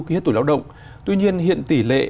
khi hết tuổi lao động tuy nhiên hiện tỷ lệ